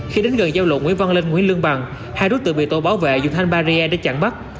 khi đến gần giao lộ nguyễn văn linh nguyễn lương bằng hai đối tượng bị tổ bảo vệ dùng thanh barrier để chặn bắt